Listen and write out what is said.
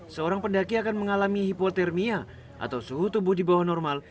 seorang pendaki akan mengalami hipotermia atau suhu tubuh di bawah normal